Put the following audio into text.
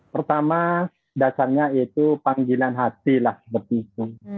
pertama dasarnya itu panggilan hati lah seperti itu